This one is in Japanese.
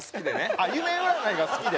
あっ夢占いが好きで？